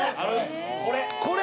これ！